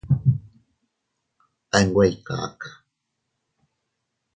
A nwe ii kakaa.